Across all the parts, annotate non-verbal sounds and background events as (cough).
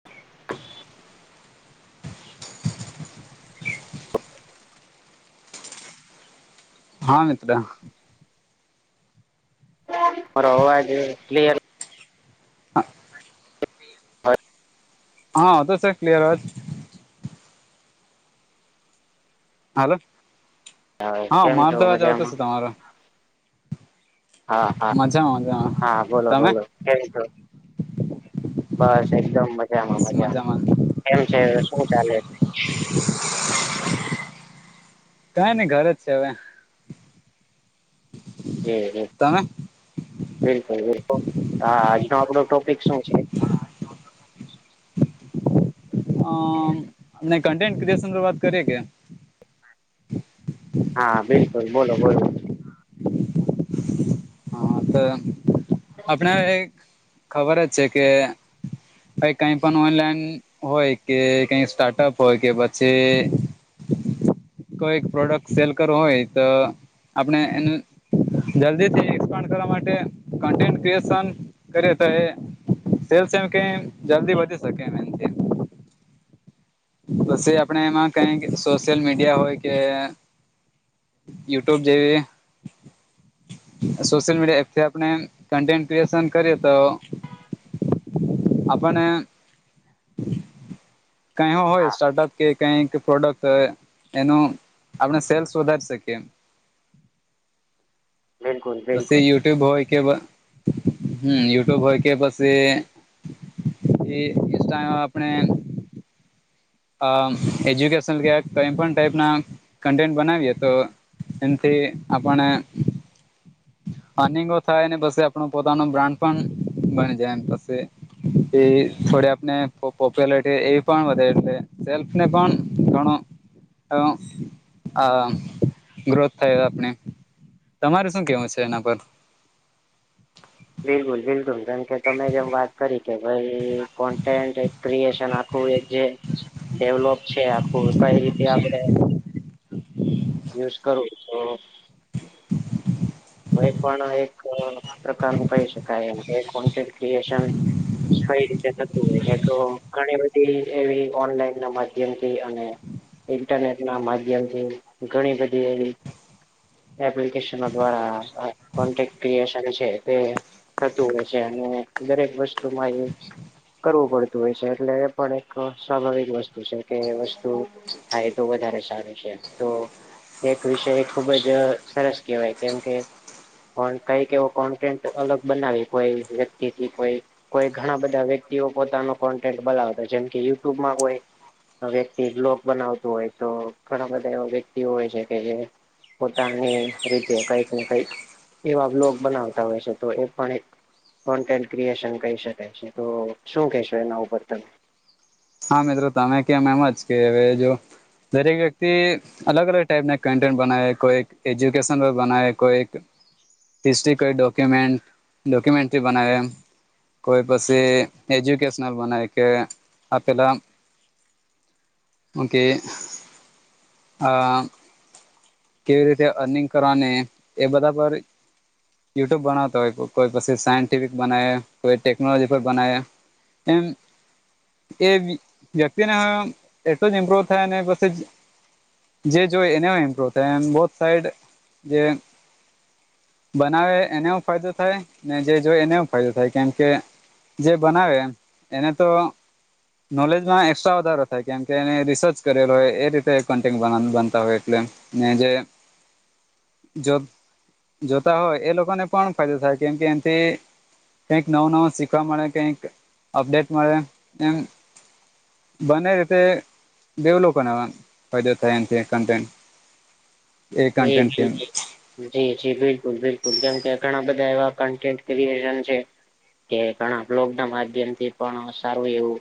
(inaudible) હા મિત્ર. ફરવા ગઈ એટલી (unintelligible) હા હા તો સર ક્લિયર હો. હલો આવે હા કેમ માર તો છો આવાજ આવતો મજામાં છે તમારો. હા હા મજામાં હા (unintelligible) બોલો તમે. બોલો કેમ છો બસ એકદમ મજામાં મજામાં. કેમ છે શું ચાલે છે. કઈ ની ઘર જ છે હવે. જ જ તમે બિલકુલ બિલકુલ હા આજનો આપડો ટોપિક શું છે. અ કન્ટેન્ટ ક્રએશન વાત કરીએ કે હા બિલકુલ બોલો બોલો હા તો આપણે ખબર જ છે, કે ભ કઈ પણ ઓનલાઈન હોય કે કઈ સ્ટાર્ટઅપ હોય કે પછી. હ કોઈ પ્રોડક્ટ સેલ કરવો હોય, તો આપણે એનું જલ્દીથી. કરવા માટે ક ક્રએશન કરે. સેલ્સ એમ ક જલ્દી વધી શકે એમ એમથી પછી આપણેે એમાં કઈ સોશિયલ મીડિયા હોય, કે યુટ્યુબ જેવી સોશિયલ મીડિયા એપથી આપણે કન્ટેન્ટ ક્રિએશન કરીએ તો આપપને ક હોય હા સ્ટાર્ટઅપ કે કઈક પ્રોડક્ટ હોય, એનું આપણે સેલ્સ વધારી શકીએ બિલકુલ બિલકુલ બછી યુટ્યુબ હોય કે હમ યુટ્યુબ હોય, કે પછી ટ આપણે અ એજ્યુકેશન ક્યા કઈ પણ ટાઈપ ના કન્ટેન્ટ બનાવીએ તો એમથી, આપણે અનિંગો થાયને પ આપણો પોતાનો બ્રાન્ડ પણ બની જાય પ એ થોડી આપને પોપ્યુલરિટી એ પણ વધે એટલે સેલ્ફ ને પણ ઘણ આ ગ્રોથ થાય આપણે તમારે શું કેવું છે, એના પર બિલકુલ બિલકુલ ધમ કે તોમે જેમ વાત કરી કે ભાઈ કોન્ટેન્ટ ક્રિએશન આખું છે. ડેવલોપ છે, આખું કઈ રીતે આપડે હ યુઝ કરું તો કો પણ એક પ્રકાર ન કહી શકાયમ કે કોન્ટે ક્રિએશન કઈ રીતે થતું હોય છે તો ઘણી બધી એવી ઓનલાઈન ના માધ્યમથી અને ઇન્ટરનેટ ના માધ્યમથી ઘણી બધી એવી એપ્લિકેશ દ્વારા ક્રએન છે, તે થતું હોય છે અને દરેક વસ્તુમાં એ કરવું પડતું હોય છે એટલે એ પણ એક સ્વાભાવિક વસ્તુ છે, કે વસ્તુ થાય તો વધારે સારું છે, તો એક વિષય ખુબ જ સરસ કહેવાય કેમ કે પણ કઈક એવો કોન્ટેન્ટ અલગ બનાવી કોઈ વ્યક્તિથી કોઈ કોઈ ઘણા બધા વ્યક્તિઓ પોતાનો કોન્ટેન્ટ બોલાવતા જેમકે યુટ્યુબમાં કોઈ વ્યક્તિ બ્લોક બનાવતું હોય તો ઘણા બધા એવા વ્યક્તિ હોય છે, કે જે પોતાની રીતે કઈક ને કઈક એવા બ્લોગ બનાવતા હોય છે, તો એ પણ એક કોન્ટેન્ટ ક્રિએશન કહી શકાય છે તો શું કહેશો એના ઉપર તમે? હા મિત્રો તમે કેમ એમ જ કે હવે જો દરેક વ્યક્તિ અલગ અલગ ટાઈપના કન્ટેન્ટ બનાવે કોઈ એજ્યુકેશન બનાવે કોઈ તીસરી કોઈ ડોક્યુમન્ટ ડોક્યુમન્ટ્રી બનાવે કોઈ પછી એજ્યુકેશનલ બના કે આપ પેલા ઓકે આ કેવી રીતે અર્નિંગ કરવાની એ બધા પર યુટ્યુબ બનાવતા હોય કોઈ પછી સાયન્ટિફિક બનાવે કોઈ ટેકનોલોજી પર બનાવે એમ એ વ્યક્તિને હ એટલું જ ઇમ્પ્રુવ થાય ને પછી જે જોય એને ઇમ્પ્રુવ થાય એમ બો સાઈડ જે બનાવે એને ફાયદો થાય ને જે જોય એને ફાયદો થાય, કેમ કે જે બનાવે એને તો નોલેજમાં એક્સ્ટ્રા વધારો થાય કેમ કે એને રિસર્ચ કરેલો હોય એ રીતે કન્ટે બનતા હોય એટલે ને જે જો જોતા હોય એ લોકોને પણ ફાયદો થાય કેમ કે એનથી કઈક નવું નવું શીખવા મળે કઈક અપડેટ મળે એમ બને રીતે દેવલોનાવા ફાયદો થાય એ કન્ટેન્ટ એ કન્ટેન્ટથી (unintelligible) જી જી બિલકુલ બિલકુલ કેમકે ઘણા બધા એવા કન્ટેન્ટ ક્રિએશન છે કે ઘણા લોકડાન માધ્યમથી પણ સારું એવું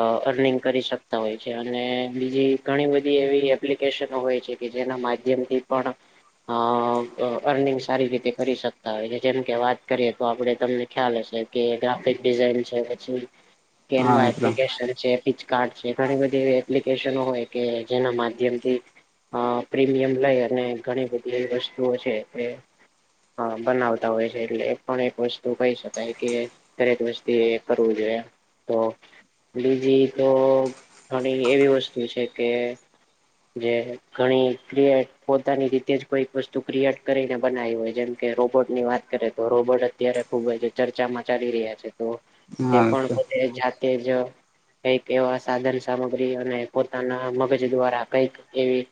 અ અર્નિંગ કરી શકતા હોય છે અને બીજી ઘણી બધી એવી એપ્લિકેશનો હોય છે કે જેના માધ્યમથી પણ અ અર્નિંગ સારી રીતે કરી શકતા હોય છે. જેમ કે વાત કરીએ તો આપડે તમને ખ્યાલ હશે કે ગ્રાફિક ડિઝઇન છે પછી હા કેવા મિત્ર એપ્લિકેશન છે હીંચકાર્ટ છે. ઘણી બધી એવી એપ્લિકેશનો હોય કે જેના માધ્યમથી અ પ્રીમિયમ લઈ અને ઘણી બધી એવી વસ્તુઓ છે, કે હન, બનાવતા હોય છે. એટલે એ પણ એક વસ્તુ કઈ શકાય કે દરેક વસ્તીએ કરવું જોઈએ. તો બીજી તો ઘણી એવી વસ્તુ છે કે જે ઘણી ક્રિએ પોતાની રીતે જ કોઈક વસ્તુ ક્રિએટ કરીને બનાવી હોય, જેમ કે રોબોટની વાત કરે તો રોબોટ અત્યારે ખુબ જ ચર્ચામાં ચાલી રહ્યા છે. તો તે હા પણ મિત્ર પોતે જાત તે જ કઈક એવા સાધન, સામગ્રી અને પોતાના મગજ દ્વારા કઈક એવી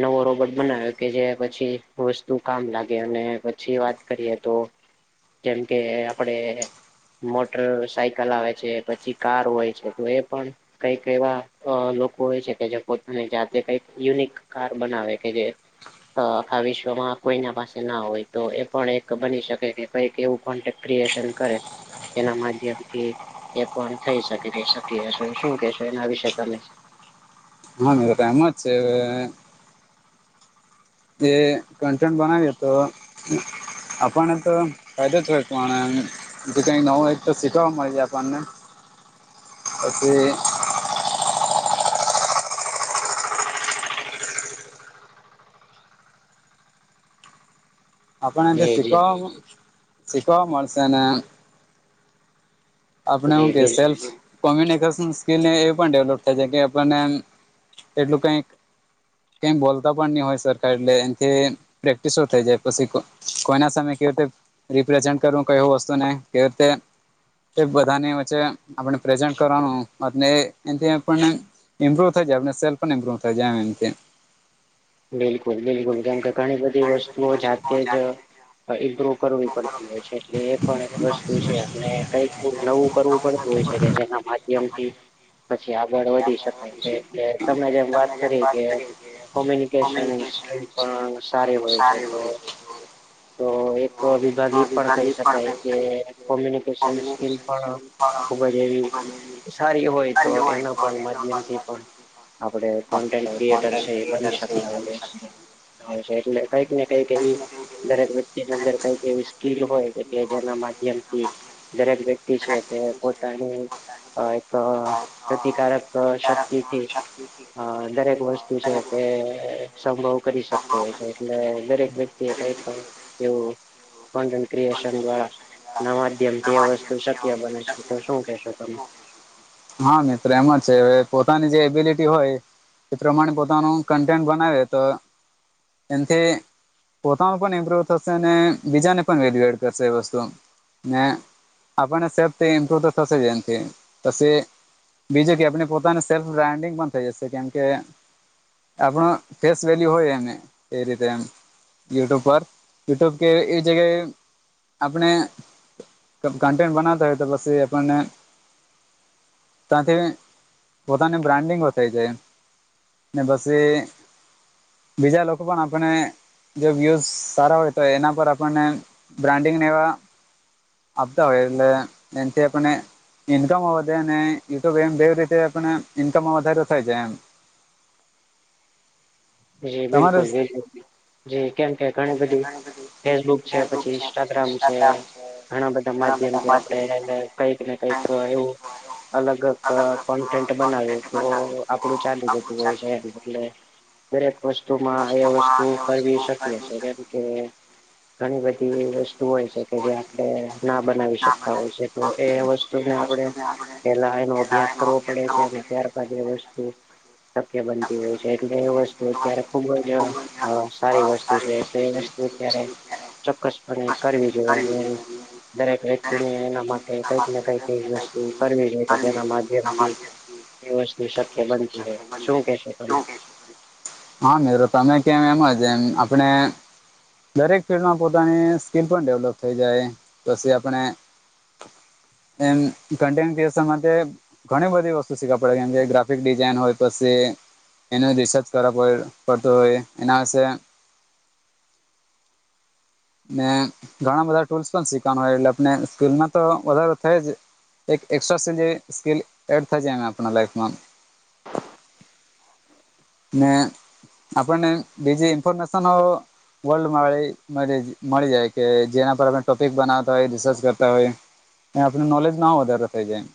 નવો રોબોટ બનાયો કે જે પછી વસ્તુ કામ લાગે અને પછી વાત કરીએ તો કેમ કે આપડે મોટર સાયકલ આવે છે, પછી કાર હોય છે, તો એ પણ કઈક એવા અ લોકો હોય છે કે જે પોતાની જાત તે કઈક યુનિક કાર બનાવે કે જે અ આખા વિશ્વમાં કોઈના પાસે ના હોય. તો એ પણ એક બની શકે કે કઈક એવું કોન્ટેક ક્રિએશન કરે. એના માધ્યમથી એ પણ થઈ શકે છે શકય. તો શું કેશો એના વિશે તમે? હા, મેરો તેમ જ છે. એ કન્ટન્ટ બનાવીએ તો આપણને તો ફાયદો જ હોય પણ તે કઈ નવુ એક તો શીખવા મળે છે આપણને. પછી આપણનેથી જે જે શીખવા-શીખવા મળશે ને આપણે હુ કે જે સેલ્ફ કોમ્યુનિકેશન સ્કીલને એ પણ ડેવલોપ થાય છે, કે આપણને એટલું કઈક કેમ બોલતા પણ ની હોય સર કાઈ એટલે એમ કે પ્રેક્ટિસો હો થઈ જાય. પસી કો-કોઈના સામે કેવી રીતે રિપ્રેઝેન્ટ કરવુ, કઈ એવુ વસ્તુ નઈ કે તે તે બધાની વચ્ચે આપણને પ્રેઝન્ટ કરવાનું અને એનથી આપણને ઈમ્પ્રુવ થઈ જાય, આપને સેલ્ફ પણ ઇમપ્રુવ થય જાવ એમ કે. બિલકુલ બિલકુલ, કેમ કે ઘણી બધી વસ્તુઓ જાતે જ પ્રુવ કરવી પડતી હોય છે, એટલે એ પણ એક વસ્તુ છે, અને કઈક નવું કરવું પડતું હોય છે કે, જેના માધ્યમથી પછી આગળ વધી શકાય છે, એટલે તમે જેમ વાત કરી કે કોમી નિકેશન સ્કિલ પણ સારી હોય છે. તો તો એક વિભાગ એ પણ કઈ શકાય કે, કોમ્યુનિકેશન સ્કીલ પણ ખુબ જ એવી સારી હોય, તો એનો પણ માધ્યમથી પણ આપડે કોન્ટેન્ટ ક્રિએટર છે, એ બની શકતા હોયએ છીએ. હોય છે. એટલે કઈક ને કઈક એવી દરેક વ્યક્તિની અંદર કઈક એવી સ્કીલ હોય. એટલે જેના માધ્યમથી દરેક વ્યક્તિ છે, તે પોતાની અ પ્રતિકારક શક્તિથી અ દરેક વસ્તુ છે, તે એ સંભવ કરી શકતો હોય છે, એટલે દરેક વ્યક્તિ એ કઈક એવુ કોન્ટેન્ટ ક્રિયેશન દ્વારા ના માધ્યમથી આ વસ્તુ શક્ય બને છે. તો શું કેશો તમે હા, મિત્ર એમા છે અવે પોતાની જે એબિલિટી હોય, એ પ્રમાણે પોતાનું કન્ટેન્ટ બનાવી એ તો એનથી પોતાનું પણ ઇમ્પ્રુવ થશે અને બીજાને પણ વેલ્યુએડ કરશે એ વસ્તુ, ને આપણને સેફથી ઇમપ્રુવ તો થશે જ એનથી પસી બીજે કે આપડને પોતાને સેલ્ફ બ્રાન્ડિંગમાં થઈ હશે, કેમ કે આપણો ફેસ વેલ્યુ હોય એને એ રીતે એમ યુટ્યુબ પર યુટ્યુબ કે એ જગ્યાએ આપણે કન્ટેન્ટ બનાવતા હોય તો પી એ આપણને ત્યાથી પોતાની બ્રાન્ડિંગો થઈ જાય ને પસ બીજા લોકો પણ આપને જો વ્યુઝ સારા હોય, તો એના પર આપણને બ્રાન્ડિંગ એવા આપતા હોય, એટલે એથી નકમ આવે ને તોમ બેવ રીતે આપને ઈન્કમમાં વધારે થાય જાય એમ જી તમારે બિલકુલ બિલકુલ જે કેમ કે ઘણી બધી ફેસબુક છે પછી ઇન્સ્ટાગ્રામ છે. ઘણા બધા માધ્યમ થી આપડે કઈક ને કઈક એવું અલગ અ બનાવે તો આપડું ચાલુ જતું હોય છે, એટલે દરેક વસ્તુમાં એ વસ્તુ કરવી શકીએ છે, કેમકે ઘણી બધી એ વસ્તુ હોય છે કે જે આપણે ના બનાવી શકતા હોય છે. તો એ વસ્તુને આપણેે પેલા એનો અભ્યાસ કરવો પડે છે અને ત્યારબાદ એ વસ્તુ શક્ય બનતી હોય છે, એટલે એ વસ્તુ તો અત્યારે ખુબ જ સારી વસ્તુ છે, તો એ વસ્તુ અત્યારે ચોક્કસ અને કરવી જોઈએ અને દરેક વ્યક્તિને એના માટે કઈક ને કઈક એ પરરમેના માધ્યમથી વસ્તુ શક્ય બનતું હોય, શું કેશો તમે હા મ્ર તમે કેમ એમ છે, એમ આપણે દરેક ફિલ્ડમાં પોતાની સ્કીિલ પણ ડેવલોપ થઈ જાય પછી આપણે એમ કન્ટેસ માટે ઘણી બધી વસ્તુ શીખવા પડે કેમ કે ગ્રાફિક ડિઝાઇન હોય, પછી એનું રિસર્ચ કરરા પડતો હોય એના છે. ને ઘણા બધા ટૂલ્સ પણ શીખવાનું હોય, એટલે આપને સ્કૂલમાં તો વધાર થાય જ એક એક્સ્ટ્રા સ્લ જે સ્કલ એડ થાય છેાય આપ લાઈફમાં ને આપણને બીજી ઈન્ફોર્મેશન વર્લ્ડળ મા મળી મળી જાય કે જેના પર આપ ટોપિક બનાવતા હોય રિસર્ચ કરતા હોય આપું નોલેજ ના વધારે થઈ જાયમ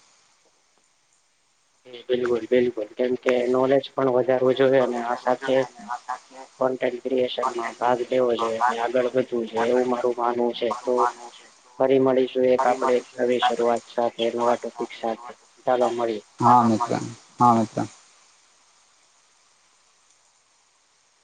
હ બિલકુલ -બિલકુલ કેમકે નોલેજ પણ વધારવું જોઈએ અને આ સાથે કો ક્રએનમાં ભાગ લેવો જોઈએ આગળ વધવું જોઈએ એવું મારું માનવું છે, તો ફરી મળીશું એક આપણે નવી, શરૂઆત સાથે નવા ટોપિક સાથે ચાલો મળીએ હા મિત્ર, હા મિત્ર